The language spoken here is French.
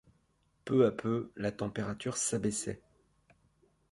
Peu à peu la température s’abaissait.